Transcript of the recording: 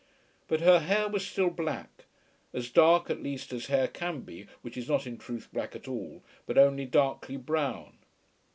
But her hair was still black, as dark at least as hair can be which is not in truth black at all but only darkly brown.